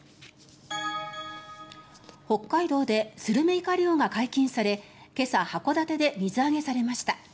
北海道でスルメイカ漁が解禁され今朝、函館で水揚げされました。